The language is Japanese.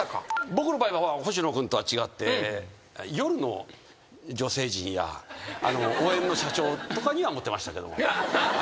僕の場合は星野君とは違って夜の女性陣や応援の社長とかにはモテましたけども。